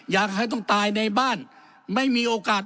อยากให้ต้องตายในบ้านไม่มีโอกาส